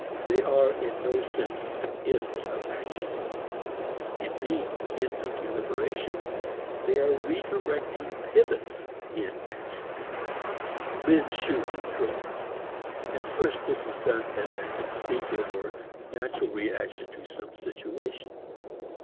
They are in no sense ends of action. In being ends of deliberation they are redirecting pivots in action. Men shoot and throw. At first this is done as an "instinctive" or natural reaction to some situation.